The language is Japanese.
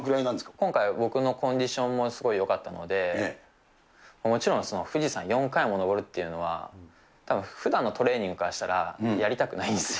今回は僕のコンディションもすごいよかったので、もちろん富士山４回も登るっていうのは、たぶんふだんのトレーニングからしたら、やりたくないんですよ。